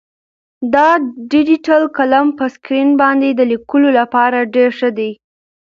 دا ډیجیټل قلم په سکرین باندې د لیکلو لپاره ډېر ښه دی.